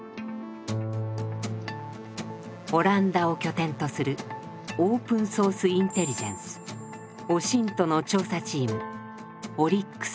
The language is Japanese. オランダを拠点とするオープン・ソース・インテリジェンスＯＳＩＮＴの調査チームオリックスだ。